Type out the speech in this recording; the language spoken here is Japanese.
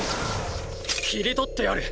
切り取ってやる。